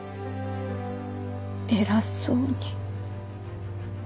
偉そうに。